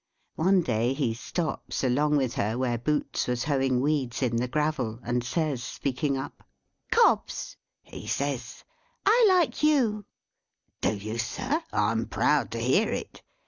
One day he stops, along with her, where Boots was hoeing weeds in the gravel, and says, speaking up, "Cobbs," he says, "I like you." "Do you, sir? I'm proud to hear it."